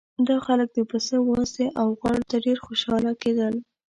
دا خلک د پسه وازدې او غوړو ته ډېر خوشاله کېدل.